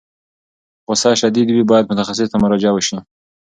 که غوسه شدید وي، باید متخصص ته مراجعه وشي.